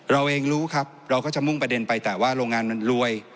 เราเองรู้ครับเราก็จะมุ่งประเด็นไปแต่ว่าโรงงานมันรวย